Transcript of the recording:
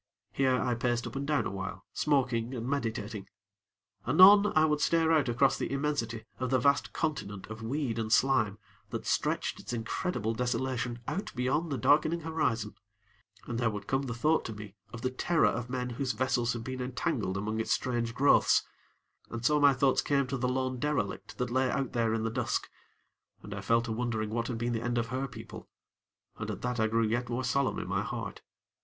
Here, I paced up and down awhile, smoking and meditating. Anon, I would stare out across the immensity of the vast continent of weed and slime that stretched its incredible desolation out beyond the darkening horizon, and there would come the thought to me of the terror of men whose vessels had been entangled among its strange growths, and so my thoughts came to the lone derelict that lay out there in the dusk, and I fell to wondering what had been the end of her people, and at that I grew yet more solemn in my heart.